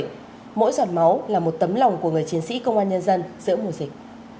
mỗi giọt máu là một tấm lòng của người chiến sĩ công an nhân dân giữa mùa dịch